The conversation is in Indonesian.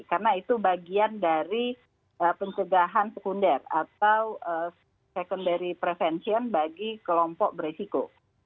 karena itu bagian dari pencegahan sekunder atau secondary prevention bagi kelompok beresiko